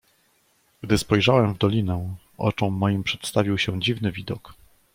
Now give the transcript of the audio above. "Gdy spojrzałem w dolinę, oczom moim przedstawił się dziwny widok."